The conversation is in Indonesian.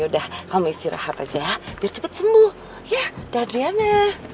ya udah ya udah kamu istirahat aja ya biar cepet sembuh ya dan adriana